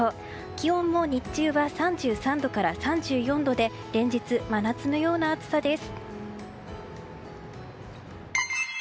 気温も日中は３３度から３４度で連日、真夏のような暑さです。